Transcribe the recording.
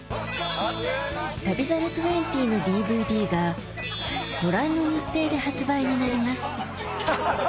『旅猿２０』のＤＶＤがご覧の日程で発売になります